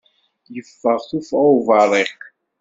Yeffeɣ tuffɣa n yiberriq.